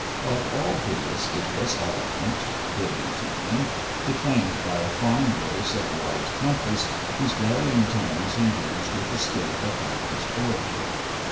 Like all his, it was eloquent, brilliant even, declaimed by a fine voice of wide compass, whose varying tones he used with the skill of a practised orator.